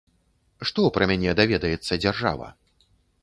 Што пра мяне даведаецца дзяржава?